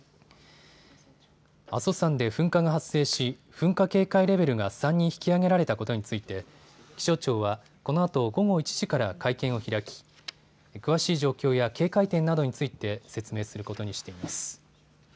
阿蘇山で噴火が発生し噴火警戒レベルが３に引き上げられたことについて気象庁はこのあと午後１時から会見を開き詳しい状況や警戒点などについて説明することにしています。